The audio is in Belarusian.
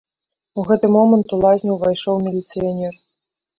У гэты момант у лазню ўвайшоў міліцыянер.